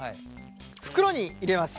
袋に入れます。